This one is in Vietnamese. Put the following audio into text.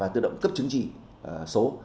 và tự động cấp chứng trị số